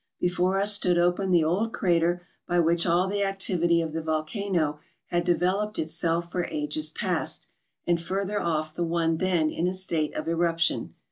Before us stood open the old crater by which all the activity of the volcano had developed itself for ages past, and further off the one then in a state of eruption.